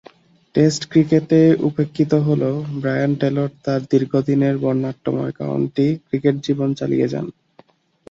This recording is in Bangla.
টেস্ট ক্রিকেটে উপেক্ষিত হলেও ব্রায়ান টেলর তার দীর্ঘদিনের বর্ণাঢ্যময় কাউন্টি ক্রিকেট জীবন চালিয়ে যান।